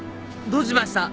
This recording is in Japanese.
どうしました？